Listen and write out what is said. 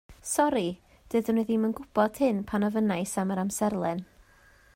Sori doeddwn i ddim yn gwybod hyn pan ofynnais am yr amserlen